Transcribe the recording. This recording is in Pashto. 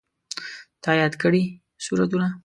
تا یاد کړي سورتونه